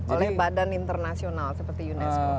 oleh badan internasional seperti unesco